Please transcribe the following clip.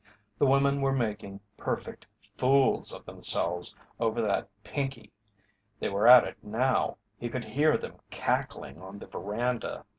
The women were making perfect fools of themselves over that Pinkey they were at it now, he could hear them cackling on the veranda.